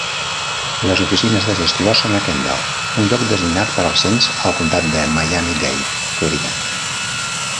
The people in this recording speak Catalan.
Les oficines de gestió són a Kendall, un lloc designat per al cens al comtat de Miami-Dade (Florida).